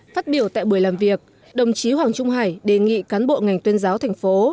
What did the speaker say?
phát biểu tại buổi làm việc đồng chí hoàng trung hải đề nghị cán bộ ngành tuyên giáo thành phố